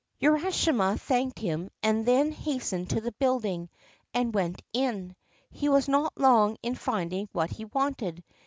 Urashima thanked him and then hastened to the building and went in. He was not long in finding what he wanted.